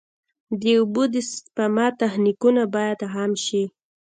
د اوبو د سپما تخنیکونه باید عام شي.